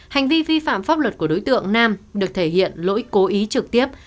hành vi vi phạm pháp luật của đối tượng nam được thể hiện lỗi cố ý trực tiếp